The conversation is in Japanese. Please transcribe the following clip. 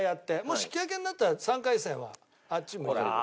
もし引き分けになったら３回戦はあっち向いてホイ。